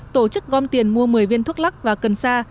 tổ chức gom tiền mua một mươi viên thuốc lắc và cần sa